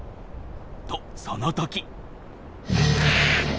とその時。